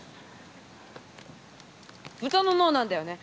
豚の脳なんだよね。